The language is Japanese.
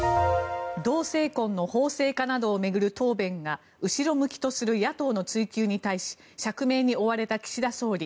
同性婚の法制化などを巡る答弁が後ろ向きとする野党の追及に対し釈明に追われた岸田総理。